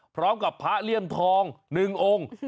พร้อมกับพระเลี่ยมทอง๑องค์